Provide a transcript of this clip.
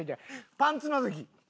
パンツのぞき。